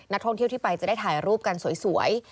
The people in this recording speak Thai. ท่องเที่ยวที่ไปจะได้ถ่ายรูปกันสวย